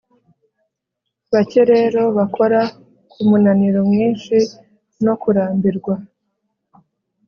Bake rero bakora kumunaniro mwinshi no kurambirwa